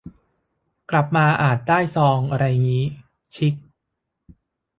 กลับมาอาจได้ซองไรงี้ ชิค